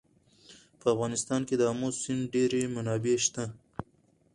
په افغانستان کې د آمو سیند ډېرې منابع شته.